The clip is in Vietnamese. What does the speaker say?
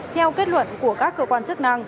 theo kết luận của các cơ quan chức năng